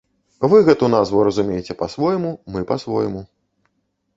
Вы гэту назву разумееце па-свойму, мы па-свойму.